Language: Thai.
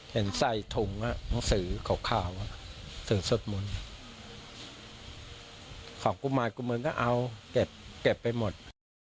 เห็นใส่ฐุงนะหนังสือข่าวสถมุนของกุมารกุมะนานก็เอาเก็บไปหมด